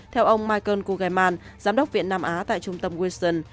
theo ông michael kugeman giám đốc viện nam á tại trung tâm wilson